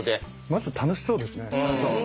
まず楽しそうですね。